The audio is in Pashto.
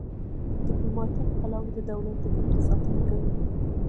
ډیپلوماتیک پلاوی د دولت د ګټو ساتنه کوي